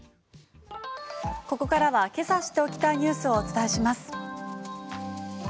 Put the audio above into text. ここからはけさ知っておきたいニュースをお伝えします。